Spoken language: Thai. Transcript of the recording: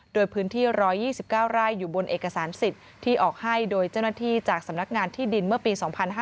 โดยพื้นที่๑๒๙ไร่อยู่บนเอกสารสิทธิ์ที่ออกให้โดยเจ้าหน้าที่จากสำนักงานที่ดินเมื่อปี๒๕๕๙